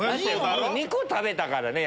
２個食べたからね